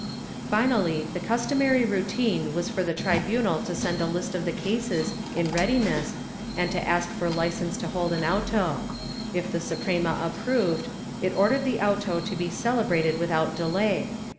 Finally, the customary routine was for the tribunal to send a list of the cases in readiness and to ask for licence to hold an auto; if the Suprema approved, it ordered the auto to be celebrated without delay.